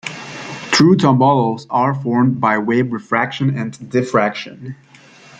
True tombolos are formed by wave refraction and diffraction.